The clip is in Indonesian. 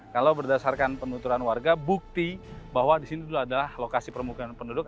kalau berdasarkan penuturan warga bukti bahwa di sini dulu adalah lokasi permukiman penduduk